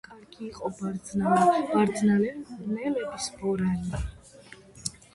რა კარგი იყო ბარდნალა, ბარდნალელების ბორანი